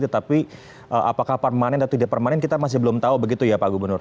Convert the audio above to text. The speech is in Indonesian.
tetapi apakah permanen atau tidak permanen kita masih belum tahu begitu ya pak gubernur